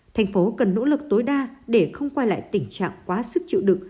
tp hcm cần nỗ lực tối đa để không quay lại tình trạng quá sức chịu đựng